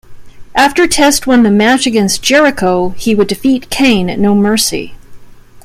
After Test won the match against Jericho he would defeat Kane at No Mercy.